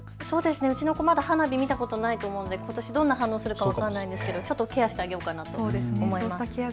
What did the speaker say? うちの子はまだ花火を見たことがないのでどんな反応するか分からないんですけどケアしてあげようと思います。